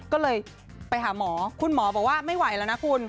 ก็เลยไปหาหมอคุณหมอบอกว่าไม่ไหวแล้วนะคุณ